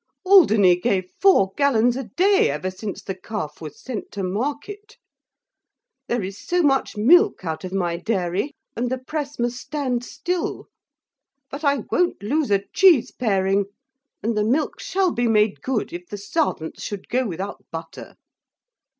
Alderney gave four gallons a day, ever since the calf was sent to market. There is so much milk out of my dairy, and the press must stand still: but I won't loose a cheese pairing; and the milk shall be made good, if the sarvents should go without butter.